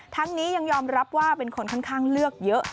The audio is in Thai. ทั้งนี้ยังยอมรับว่าเป็นคนค่อนข้างเลือกเยอะ